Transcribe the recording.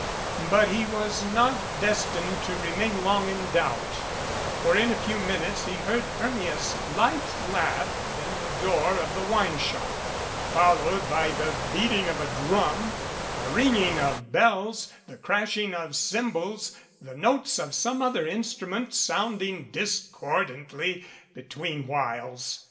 But he was not destined to remain long in doubt; for in a few minutes he heard Hermia's light laugh in the door of the wine shop, followed by the beating of a drum, the ringing of bells, the crashing of cymbals, the notes of some other instrument sounding discordantly between whiles.